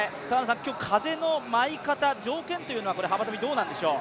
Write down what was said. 今日風の舞い方、条件というのは幅跳どうなんでしょう。